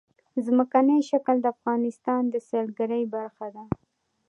ځمکنی شکل د افغانستان د سیلګرۍ برخه ده.